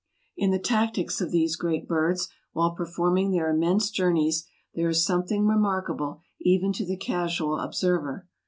In the tactics of these great birds while performing their immense journeys there is something remarkable even to the casual observer.